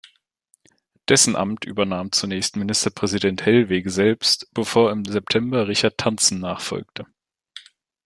Dessen Amt übernahm zunächst Ministerpräsident Hellwege selbst, bevor im September Richard Tantzen nachfolgte.